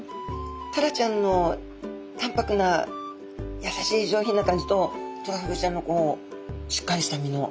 タラちゃんのたんぱくなやさしい上品な感じとトラフグちゃんのしっかりした身の。